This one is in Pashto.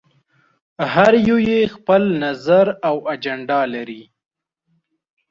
هر يو یې خپل نظر او اجنډا لري.